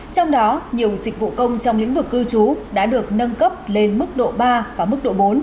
trong đó nhiều dịch vụ công trong lĩnh vực cư trú đã được nâng cấp lên mức độ ba và mức độ bốn